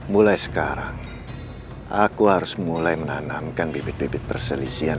mulai sekarang aku harus mulai menanamkan bibit bibit perselisihan